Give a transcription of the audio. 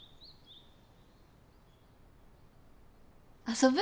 遊ぶ？